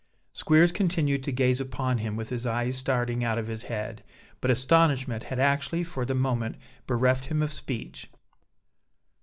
Squeers continued to gaze upon him with his eyes starting out of his head; but astonishment had actually for the moment bereft him of speech.